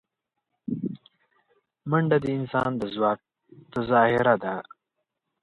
منډه د انسان د ځواک تظاهره ده